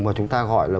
mà chúng ta gọi là